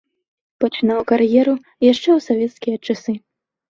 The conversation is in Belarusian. Пачынаў кар'еру яшчэ ў савецкія часы.